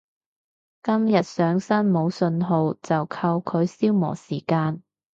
今日上山冇訊號就靠佢消磨時間